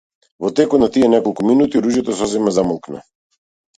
Во текот на тие неколку минути, оружјето сосема замолкна.